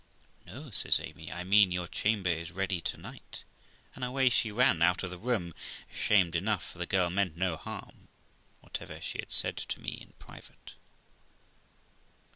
' No ', says Amy, 'I mean your chamber is ready to night', and away she run out of the room, ashamed enough; for the girl meant no harm, whatever she had said to me in private.